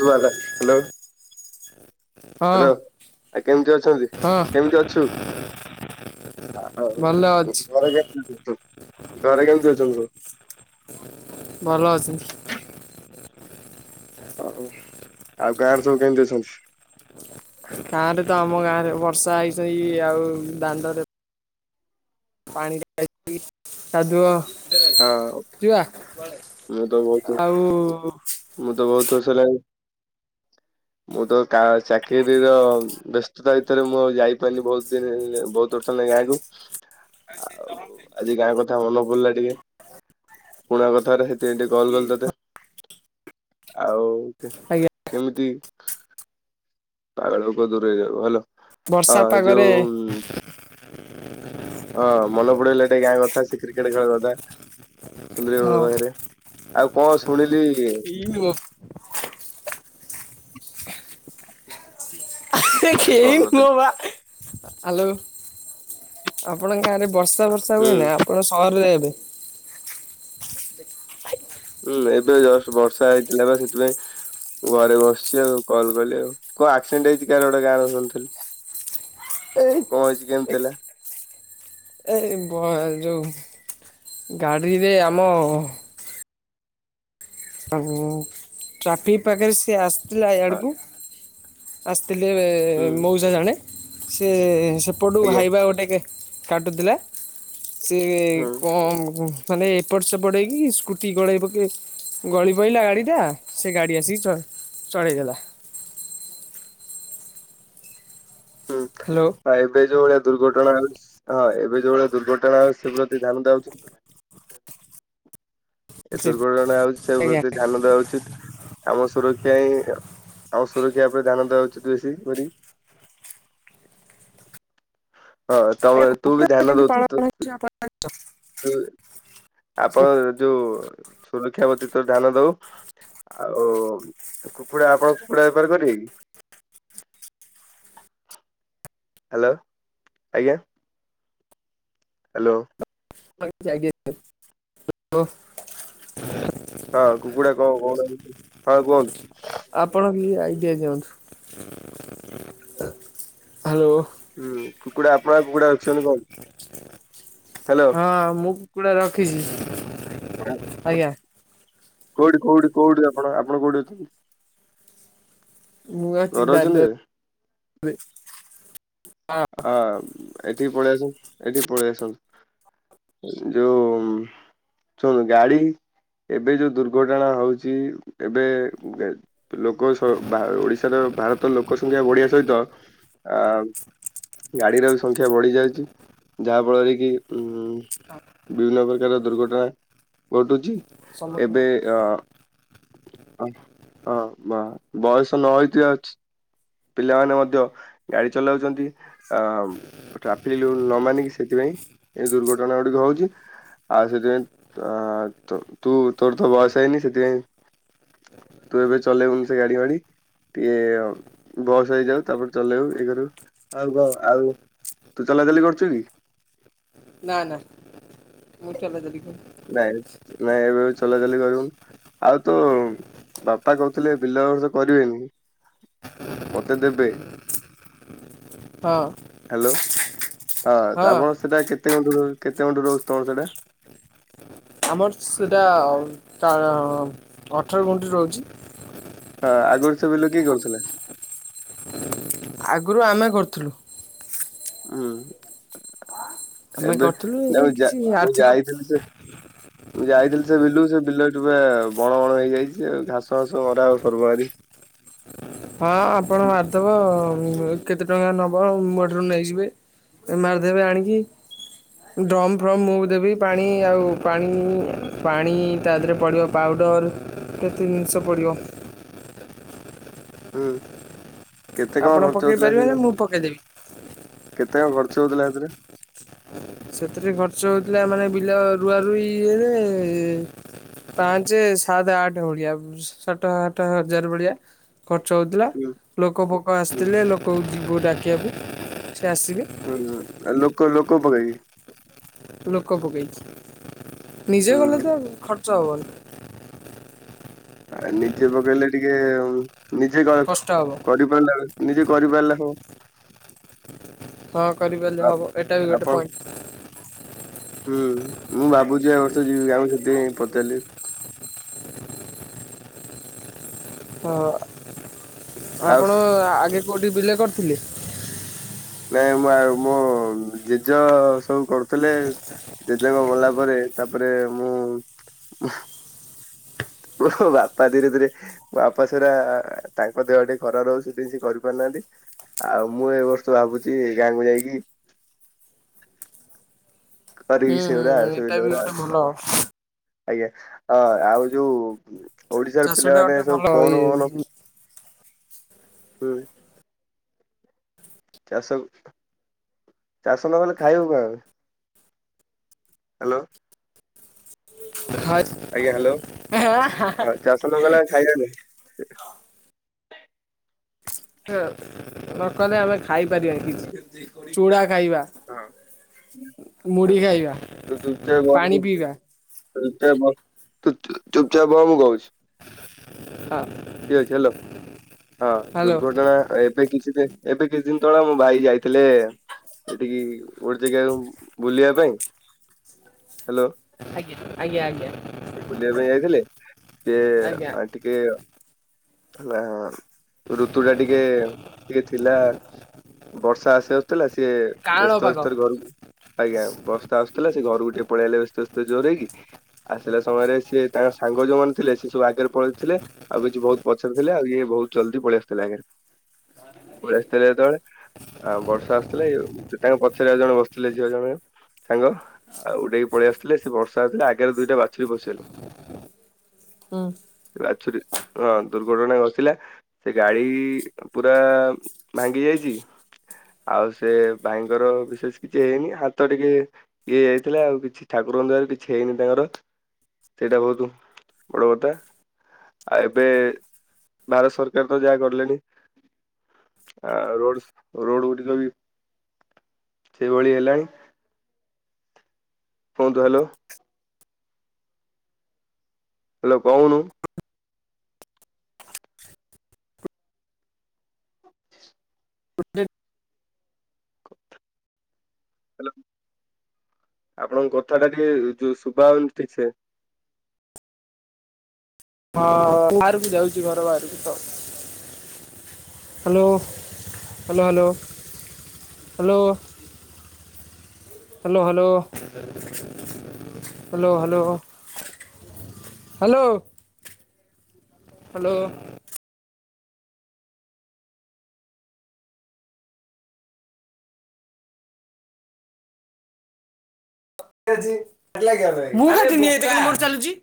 Shubhada hello ହଁ hello ଆ କେମିତି ଅଛନ୍ତି ହଁ କେମିତି ଅଛୁ ଭଲ ଅଛି ଘରେ ଘରେ କେମିତି ଅଛନ୍ତି ତୁ। ଭଲ ଅଛନ୍ତି। ଓ ଆଉ ଗାଁରେ ସବୁ କେମିତି ଅଛନ୍ତି। ଗାଁରେ ତ ଆମ ଗାଁ ରେ ବର୍ଷା ହେଇ ଆଉ ଦାଣ୍ଡରେ ପାଣି [unintelligible] ହଁ କାଦୁଅ ମୁଁ ତ ବହୁତ [unintelligible] ଆଉ। ମୁଁ ତ ବହୁତ ର୍ଷ ହେ ଲ ମୁଁ ତ ଚାକିରିର ବ୍ୟସ୍ତତା ଭିତରେ ମୁଁ ଯାଇପାରିନି ବହୁତ ଦିନ ବହୁତ ର୍ଷ ହେ ଲେ ଗାଁ କ ଆଉ ଆଜି ଗାଁ କଥା ମନେ ପଡିଲା ଟିକେ ପୁଣା କଥାରେ ସେଥିପାଇଁ ଟିକେ କଲ୍ ଗଲ ତତେ ଆଉ ଆଜ୍ଞା କେମିତି ପାଗଳୋକ ଦୂରେଇ ଯାଉ ଭଲ ହଁ ବର୍ଷା ଯୋଉ ପାଗରେ [inaudible] ହଁ ମନେ ପଡେଇଲେ ଟିକେ ଗାଁ କଥା ସେ କ୍ରିକେଟ ଖେଳିବା କଥା। ସୁନ୍ଦର ହଁ [unintelligible] ପାଖରେ ଆଉ କଣ ଶୁଣିି [inaudible] ଏଇ ନୁହଁ [inaudible] [inaudible] କଲ୍ କରିଦେଲି। ଆଲୋ ଆପଣ ଗାଁରେ ବର୍ଷା ବର୍ଷା ହୁଁ ହୁଏ ନା ଆପଣ ସହରରେ ଏବେ ହୁଁ ଏବେ ଜଷ୍ଟ ବର୍ଷା ହେଇଥିଲା ବା ସେଥିପାଇଁ ଘରେ ବସିଛି ଆଉ କଲ କଲେ ଆଉ କଣ ଆକ୍ସିଡେଣ୍ଟ ହେଇଛି କାହାର ଗୋଟେ ଗାଁରେ ଆକ୍ସିଡେଣ୍ଟ ହେଇଛି ଶୁଣିଥିଲି। ଏଇ କଣ ହେଇଛି କେମତି ହେଲା? ଏ ଯୋଉଁ ଗାଡ଼ିରେ ଆମ ଆଉ ଟ୍ରାଫିକ ଆଗରେ ସେ ଆସ୍ ଥିଲା ଏ ହଁ ଆଡ଼କୁ ଅସ୍ ଲେ ହୁଁ ମଉସା ଜଣେ ସେ ସେପଟୁ ଆଜ୍ଞା ହାଇବା ଗୋଟେକ କାଟୁଥିଲା ସେ ହୁଁ କମ୍ ମାନେ ଏପଟ ସେପଟ ହେଇକି ସ୍କୁଟି ଗଳେଇ ପକେ ଗଳି ପଡ଼ିଲା ଗାଡ଼ିଟା ସେ ଗାଡ଼ି ଆସିକି ଚ ଚଢେଇଦେଲା। ହୁଁ ହ୍ୟାଲୋ ଏବେ ଯୋଉ ଭଳିଆ ଦୁର୍ଘଟଣା ହଁ ଏବେ ଯୋଉ ଭଳି ଦୁର୍ଘଟଣା ହ ସେ ପ୍ରତି ଧ୍ୟାନ ଦେବା ଉଚିତ। ଏ ଆଜ୍ଞା ଦୁର୍ଘଟଣା ହଉଛି ସେ ପ୍ରତି ଧ୍ୟାନ ଦବା ଉଚିତ୍। ଆମ ସୁରକ୍ଷା ହିଁ ଆମ ସୁରକ୍ଷା ଉପରେ ଧ୍ୟାନ ଦବା ଉଚିତ ବେଶୀ କରି। ହଁ ତମେ ଆଜ୍ଞା ତୁ ବି କୁକୁଡ଼ା ଧ୍ୟାନ କେମିତି ଦେଉ ପାଳନ ହେଉଛି ଆପଣ ଆପଣ ଯୋଉ [unintelligible] ସୁରକ୍ଷା ବ୍ୟତୀତରେ ଧ୍ୟାନ ଦଉ ଆଉ କୁକୁଡା ଆପଣ କୁକୁଡା ବେପାର କରିବେ କି? ହ୍ୟାଲୋ ଆଜ୍ଞା। ହ୍ୟାଲୋ। ଆ। [inaudible] ହଁ କୁକୁଡା କଣ କଣ କହୁନାହାନ୍ତି ହଁ କୁହନ୍ତୁ। କି ଆଇଡିଆ ଦିଅନ୍ତୁ ହ୍ୟାଲୋ। ହୁଁ କୁକୁଡ଼ା କଣ କୁକୁଡ଼ା ଅଛନ୍ତି କୁହନ୍ତୁ ହ୍ୟାଲୋ ହଁ ମୁଁ କୁକୁଡ଼ା ରଖିଛି। ଆଜ୍ଞା [inaudible] କୋଉଠି କୋଉଠି କୋଉଠି ଆପଣ ଆପଣ କୋଉଠି ଅଛନ୍ତି? ମୁଁ ଅଛି ଘରେ ଦା ଅଛନ୍ତି ହଁ। ଏଠି ପଳେଇ ଆସନ୍ତୁ ଏଠି ପଳେଇ ଆସନ୍ତୁ ଯୋଉ ଶୁଣୁ ଗାଡି ଏବେ ଯୋଉ ଦୁର୍ଘଟଣା ହଉଛି, ଏବେ ଲୋକ ଓଡିଶାର ଭାରତ ଲୋକ ସଂଖ୍ୟା ବଢିବା ସହିତ ଗାଡିର ବି ସଂଖ୍ୟା ବଢି ଯାଇଛି ଯାହାଫଳରେ କି ବିଭିନ୍ନ ପ୍ରକାର ଦୁର୍ଘଟଣା ଘଟୁଛି। ସମ୍ମୁଖୀନ ଏବେ ଅ ବୟସ ନହଇଥିବା ପିଲାମାନେ ମଧ୍ୟ ଗାଡି ଚଲାଉଛନ୍ତି। ଆ ଟ୍ରାଫିକ ନ ମାନିକି ସେଥିପାଇଁ ଏ ଦୁର୍ଘଟଣା ଗୁଡିକ ହଉଛି। ଆଉ ସେଥିପାଇଁ ତୁ ତୋର ତ ବୟସ ହେଇନି ସେଥିପାଇଁ ତୁ ଏବେ ଚଲେଇବୁନି ସେ ଗାଡି ଗାଡି ଟିକେ ବୟସ ହେଇଯାଉ ତାପରେ ଚଲେଇବୁ। ଏଇ କରୁ ଆଉ କଣ ଆଉ ତୁ ଚଲାଚଲି କରୁଛୁ କି? ନା ନା ମୁଁଚଲା। [inaudible] ନାଇଁ ନାଇଁ ଏବେ ଚଲାଚଲି କରିବୁନି ଆଉ ତ ବାପା କହୁଥିଲେ ବିଲ ଏବର୍ଷ କରିବେନି ମତେ ଦେବେ। ହଁ ହ୍ୟାଲୋ। ହଁ ଆପଣ ସେଟା କେତେ ଗୁଣ୍ଠ। କେତେ ଗୁଣ୍ଠ ରହୁଛି ତମର ସେଇଟା? ଆମର ସେଟା ଅଠର ଗୁଣ୍ଠି ରହୁଛି। ହଁ ଆଗରୁ ସେ ବିଲ କିଏ କରୁଥିଲେ? ଆଗରୁ ଆମେ କରୁଥିଲୁ। ହୁଁ। ଆମେ ଏବେ କରିଥିଲୁ ନା ଏବେ କିଛି ମୁଁ ଆର୍ଥିକ ଯାଇଥିଲି ସେ ମୁଁ ଯାଇଥିଲି ସେ ବିଲୁ ସେ ବିଲ ଟା ବଣ ବଣ ହେଇଯାଇଛି। ଘାସ ଫାସ ମରା ଆଉ ସର୍ବହାରୀ ହଁ ଆପଣ ମାରିଦବ କେତେ ଟଙ୍କା ନେବ ମୋଠାରୁ ନେଇଯିବେ ମାରିଦେବେ ଆଣିକି। ଡ୍ରମ୍ ଫ୍ରମ୍ ମୁଁ ଦେବି। ପାଣି ଆଉ ପାଣି ପାଣି ତା ଦେହରେ ପଡ଼ିବ ପାଉଡ଼ର କେତେ ଜିନିଷ ପଡ଼ିବ,। ହଁ [inaudible] ଆପଣ ପକେଇ ପାରିବେ ନା ମୁଁ ପକେଇଦେବି? ହ [inaudible] କେତେ କଣ ଖର୍ଚ୍ଚ ହଉଥିଲା ସେଥିରେ? ସେଥିରେ ଖର୍ଚ୍ଚ ହଉଥିଲା ମାନେ ବିଲ ରୁଆ ରୁଇ ପାଞ୍ଚ ସାତ ଆଠ ଭଳିଆ ସାତ ଆଠ ହଜାର ଭଳିଆ ଖର୍ଚ୍ଚ। ହଉଥିଲା ହୁଁ ଲୋକ ଭୋକ ହୁଁ ଆସିଥିଲେ। ଲୋକ ଗୋ ଡାକିବାବୁ [inaudible] ହୁଁ ହଁ ଲୋକ ଗପ କ [inaudible] ଲୋକ ପକେଇଛି। ନିଜେ ଗଲେ ହୁଁ ତ ଚାଉଳ ନିଜେ ପକେଇଲେ ଟିକେ ନିଜେ କଷ୍ଟ ହବ କରିପାରିଲାଣି ନିଜେ କରିପାରିଲା ହଉ ହଁ କରିପାରିଲଲେ ହବ, ଏଇଟା ବି ଗୋଟେ ପଏଣ୍ଟ ହୁଁ ମୁଁ ଭାବୁଛି ଏ ବର୍ଷ ଯିବି ଆମ ସେଠି ପଚାରିଲି। ହଁ [inaudible] ଆଉ ଆପଣ ଆଗେ [inaudible] କୋଉଠି ବିଲ କରିଥିଲେ? ନାଇଁ ମୁଁ ଆଉ ମୋ ଜେଜେ ସବୁ କରୁଥିଲେ। ଜେଜେଙ୍କ ମଲା ପରେ ତାପରେ ମୁଁ, ବାପା ଧୀରେ ଧୀରେ ବାପା ସେଟା ତାଙ୍କ ଦେହ ଟିକେ ଖରାପ ରହୁଛି ସେ କରିପାରୁନାହାନ୍ତି। ଆଉ ମୁଁ ଏ ବର୍ଷ ଭାବୁଛି ଗାଁକୁ ଯାଇକି ଖରିକିଚି। ଏଇଟା ଭି ଗୋଟେ ଭଲ। ଆଜ୍ଞା! ଅ ଆଉ ଯୋଉ- ଓଡିଶାର ଚାଷ ଟା ପିଲାମାନେ ଗୋଟେ ସବୁ ଭଲ ଫୋନ ଫୋନ ଇଏ ହୁଁ। ଚାଷ। ଚାଷ ନକଲେ ଖାଇବୁ କାହାକୁ। ହାଲୋ। ଆଜ୍ଞା, ହାଲୋ ଚାଷ ନ କଲେ ଆମେ ଖାଇବା କଣ? ନ କଲେ ଆମେ ଖାଇପାରିବେନି କିଛି। ଚୁଡ଼ା ଖାଇବା, ହଁ। ମୁଢି ଖାଇବା, ତୁ ଚୁପଚାପ୍ ବସ ପାଣି ପିଇବା। ଚୁପଚାପ୍ ବସ ତୁ ଚୁପଚାପ ବ ମୁଁ ବୋଉଛି। ହଁ ଠିକ୍ ଅଛି। ହଲୋ ହଁ, ହ୍ୟାଲୋ ଦୁର୍ଘଟଣା ଏବେ କିଛି ବି ଏବେ କିଛି ଦିନ ତଳେ ମୋ ଭାଇ ଯାଇଥିଲେ ଏଠିକି ଭୋଜି ଖାଇବାକୁ ବୁଲିବା ପାଇଁ। ହ୍ୟାଲୋ ଆଜ୍ଞା ଆଜ୍ଞା ଆଜ୍ଞା। ବୁଲିବା ପାଇଁ ଯାଇଥିଲେ ସେ ଆଜ୍ଞା ଆ ଟିକେ ହେଲା ଋତୁ ଟା ଟିକେ ଟିକେ ଥିଲା ବର୍ଷା ଆସିବାର ଥିଲା। ସିଏ କାଁଳ ବ୍ୟସ୍ତ ପାଗ ବ୍ୟସ୍ତରେ ଘରକୁ ଆଜ୍ଞା ବସ୍ତା ଆସୁଥିଲା ସେ ଘରକୁ ଟିକେ ପଳେଇ ଆ ଇଲେ ବ୍ୟସ୍ତ ବ୍ୟସ୍ତ ଜୋରରେ ହେଇକି ଆ ଥିଲା ସମୟରେ ସିଏ ତାଙ୍କ ସାଙ୍ଗ ଯୋଉମାନେ ଥିଲେ ସେ ସବୁ ଆଗରେ ପଳେଇଥିଲେ। ଆଉ କିଛି ବହୁତ ପଛରେ ଥିଲେ। ଆଉ ଇଏ ବହୁତ ଜଲଦି ପଳେଇ ଆସିଥିଲେ ଆଗରେ। ପଳେଇ ଆସିଥିଲେ ଯେତେବେଳେ ଆଉ ବର୍ଷା ଆସିଥିଲେ ତାଙ୍କ ପଛରେ ଆଉ ଜଣେ ବସିଥିଲେ ଝିଅ ଜଣେ ଆଉ ସାଙ୍ଗ। ଉଡେଇକି ପଳେଇ ଆସିଥିଲେ ସେ ବର୍ଷା ଆସିଥିଲେ। ଆଗରେ ଦୁଇଟା ବାସି [unintelligible] ହୁଁ ବାଛୁରୀ ହଁ ଦୁର୍ଘଟଣା ଘସିଲା ସେ ଗାଡି ପୁରା ଭାଙ୍ଗି ଯାଇଛି ଆଉ ସେ ଭାଇଙ୍କର ବିଶେଷ କିଛି ହେଇନି ହାତ ଟିକେ ଇଏ ଯାଇଥିଲା ଆଉ କିଛି ଠାକୁରଙ୍କ ଦୟାରୁ ଆଉ କିଛି ହେଇନି ତାଙ୍କର। ସେଇଟା ବହୁତ ବଡ କଥା, ଆଉ ଏବେ ଭାରତ ସରକାର ତ ଯାହା କଲେଣି, ଆ ରୋଡ ରୋଡ ଗୁଡିକ ବି ସେଇଭଳି ହେଲାଣି। କୁହନ୍ତୁ ହାଲୋ। ହାଲୋ କହୁନୁ? [inaudible] [unintelligible] ହେଲୋ, ଆପଣଙ୍କ କଥା ଟା ଟିକେ ଯୋଉ ଶୁଭା ଯାଉନି ଠିକ୍ ସେ। ହଁ, ବାହାରକୁ ଯାଉଛି ଘର ବାହାରକୁ ତ? Hello, hello, hello, hello. Hello hello hello hello hello. Hello. ମୁଁ ପା ଘିନି ଆଣିଥିଲି ଏଇପଟେ ଚାଲୁଛି।